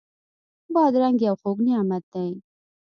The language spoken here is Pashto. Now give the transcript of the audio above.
بادرنګ یو خوږ نعمت دی.